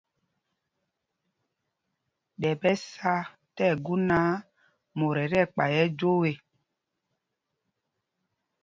Ɗɛ ɓɛ sá tí ɛgu náǎ, mot ɛ tí ɛkpay ɛjwoo ê.